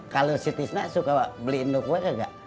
kalau si tisna suka beliin lo kue kagak